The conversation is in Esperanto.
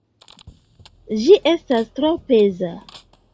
Ĝi estas tro peza.